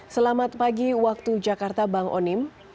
selamat pagi waktu jakarta bang onim